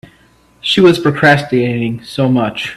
She was procrastinating so much.